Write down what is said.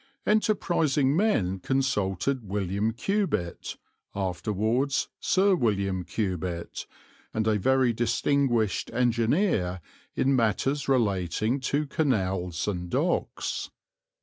Enterprising men consulted William Cubitt, afterwards Sir William Cubitt, and a very distinguished engineer in matters relating to canals and docks.